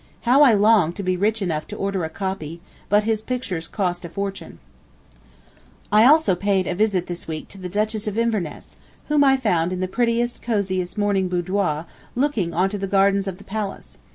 How I longed to be rich enough to order a copy, but his pictures cost a fortune. I paid also a visit this week to the Duchess of Inverness, whom I found in the prettiest, cosiest morning boudoir looking onto the gardens of the Palace.